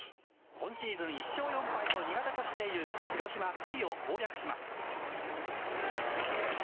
今シーズン１勝４敗と苦手としている広島、九里を攻略します。